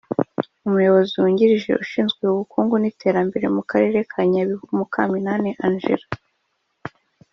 umuyobozi wungirije ushinzwe ubukungu n’iterambere mu karere ka Nyabihu Mukaminani Angela